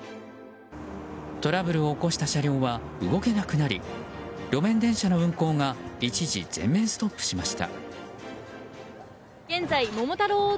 トラブルを起こした車両は動けなくなり路面電車の運行が一時全面ストップしました。